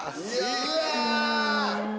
うわ！